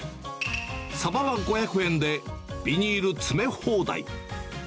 サバは５００円で、ビニール詰め放題。